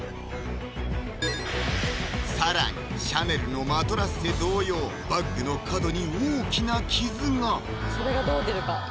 更にシャネルのマトラッセ同様バッグの角に大きな傷がそれがどう出るか？